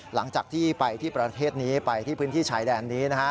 หลังจากที่ไปที่ประเทศนี้ไปที่พื้นที่ชายแดนนี้นะฮะ